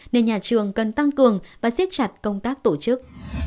nên nhà trường cần tăng cường và siết chặt công tác tổ chức